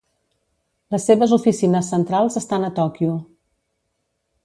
Les seves oficines centrals estan a Tòquio.